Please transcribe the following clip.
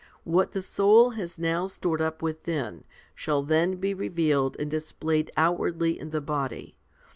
What the soul has now stored up within, shall then be revealed and displayed outwardly in the body.